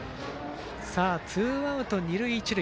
ツーアウト二塁一塁。